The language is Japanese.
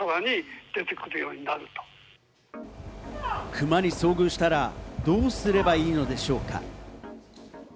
クマに遭遇したらどうすればいいのでしょうか？